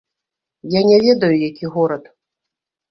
Я не ведаю, які горад.